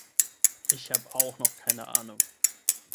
Ich habe auch noch keine Ahnung.